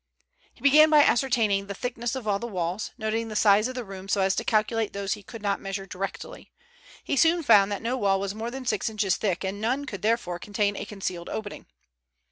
He began by ascertaining the thickness of all the walls, noting the size of the rooms so as to calculate those he could not measure directly. He soon found that no wall was more than six inches thick, and none could therefore contain a concealed opening.